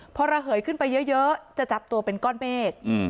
พอระเหยขึ้นไปเยอะจะจับตัวเป็นก้อนเมฆ